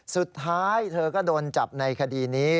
สุดท้ายเธอก็โดนจับในคดีนี้